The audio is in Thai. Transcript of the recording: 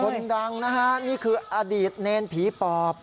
คนดังนะฮะนี่คืออดีตเนรผีปอบ